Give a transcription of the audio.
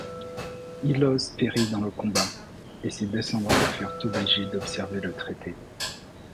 Hyllos périt dans le combat, et ses descendants furent obligés d'observer le traité.